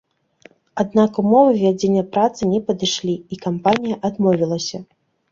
Аднак умовы вядзення працы не падышлі, і кампанія адмовілася.